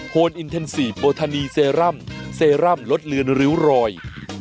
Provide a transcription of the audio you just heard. โพลอินเท็นซีเบอร์ทันีเซรั่มเซรั่มลดเลือนริ้วรอย